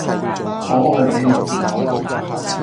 我愛你們